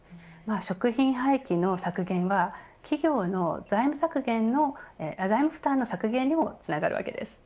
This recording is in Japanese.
食品廃棄の削減は企業の財務負担の削減にもつながるわけです。